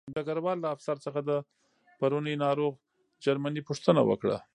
ډګروال له افسر څخه د پرونۍ ناروغ جرمني پوښتنه وکړه